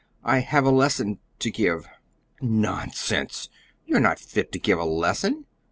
"I have a lesson to give." "Nonsense! You're not fit to give a lesson.